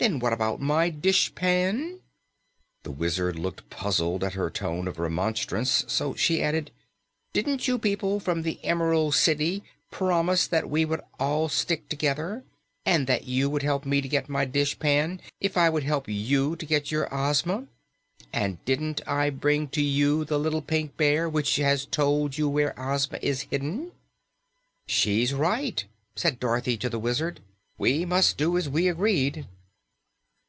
"Then what about my dishpan?" The Wizard looked puzzled at her tone of remonstrance, so she added, "Didn't you people from the Emerald City promise that we would all stick together, and that you would help me to get my dishpan if I would help you to get your Ozma? And didn't I bring to you the little Pink Bear, which has told you where Ozma is hidden?" "She's right," said Dorothy to the Wizard. "We must do as we agreed."